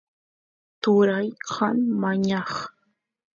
turay kan mañaq